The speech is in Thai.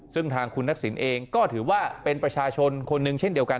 ซึ่งทางคุณทักษิณเองก็ถือว่าเป็นประชาชนคนหนึ่งเช่นเดียวกัน